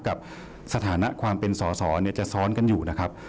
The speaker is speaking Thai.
กับสถานะความเป็นสอสอจะซ้อนกันอยู่นะครับ